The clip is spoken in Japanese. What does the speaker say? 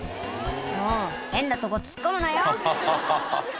もう変なとこ突っ込むなよ」